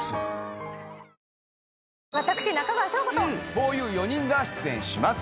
ふぉゆ４人が出演します。